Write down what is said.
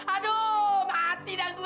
aduh mati dah gue